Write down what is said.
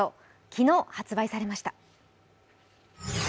昨日発売されました。